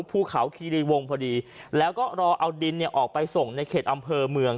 ภูเขาคีรีวงพอดีแล้วก็รอเอาดินเนี่ยออกไปส่งในเขตอำเภอเมือง